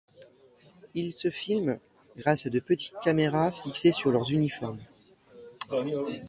Ils se filment grâce à de petites caméras fixées sur leur uniforme.